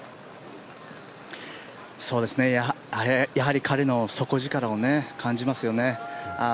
やはり彼の底力を感じますよね。